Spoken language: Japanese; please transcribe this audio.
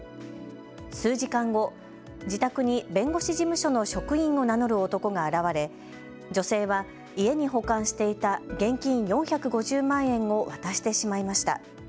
数時間後、自宅に弁護士事務所の職員を名乗る男が現れ、女性は家に保管していた現金４５０万円を渡してしまいました。